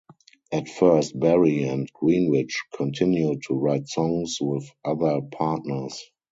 At first, Barry and Greenwich continued to write songs with other partners.